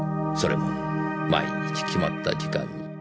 それも毎日決まった時間に。